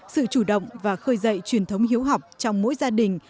sự chủ động và khơi dậy truyền thống hiếu học trong mỗi gia đình